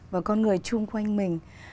và con người chung quanh mình